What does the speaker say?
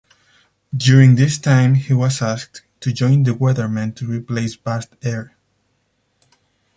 During this time he was asked to join The Weathermen to replace Vast Aire.